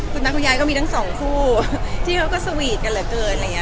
คุณตาคุณยายก็มีทั้งสองคู่ที่เขาก็สวีทกันเหลือเกินอะไรอย่างนี้